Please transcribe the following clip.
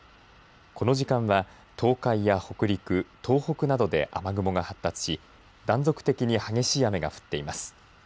この時間は東海や北陸東北などで雨雲が発達し断続的に激しい雨が降っています。